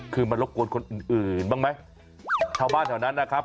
คือมารบกวนคนอื่นบ้างไหมชาวบ้านแถวนั้นนะครับ